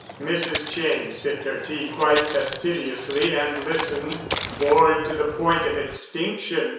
Mrs. Cheyne sipped her tea quite fastidiously and listened, bored to the point of extinction.